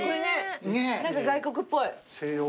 何か外国っぽい。